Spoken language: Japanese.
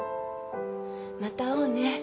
「また会おうね。